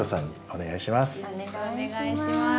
お願いします。